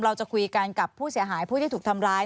เราจะคุยกันกับผู้เสียหายผู้ที่ถูกทำร้าย